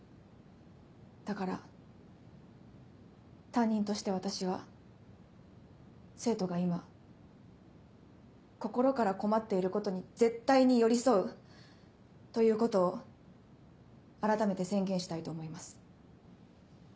だから担任として私は生徒が今心から困っていることに絶対に寄り添うということを改めて宣言したいと思います。